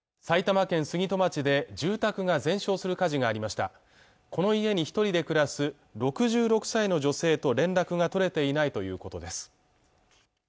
埼玉県杉戸町で住宅が全焼する火事がありましたこの家に一人で暮らす６６歳の女性と連絡が取れていないということです